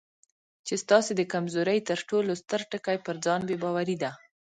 چې ستاسې د کمزورۍ تر ټولو ستر ټکی پر ځان بې باوري ده.